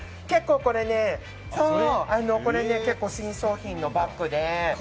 これ結構、新商品のバッグで。